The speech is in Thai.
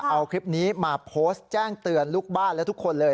เอาคลิปนี้มาโพสต์แจ้งเตือนลูกบ้านและทุกคนเลย